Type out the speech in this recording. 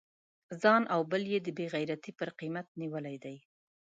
ځان او بل یې د بې غیرتی پر قیمت نیولی دی.